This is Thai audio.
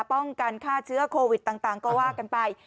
ป้องกันฆ่าเชื้อโควิดต่างก็ว่ากันไป